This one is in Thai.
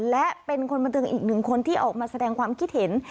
และเป็นคนบันเทิงอีกหนึ่งคนที่ออกมาแสดงความคิดเห็น